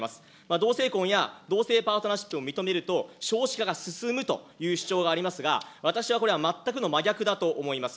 同性婚や同性パートナーシップを認めると少子化が進むという主張がありますが、私はこれは全くの真逆だと思います。